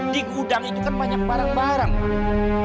di gudang itu kan banyak barang barang pak